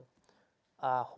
walaupun masih ada